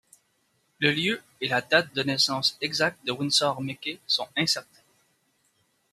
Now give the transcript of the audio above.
Le lieu et la date de naissance exacte de Winsor McCay sont incertains.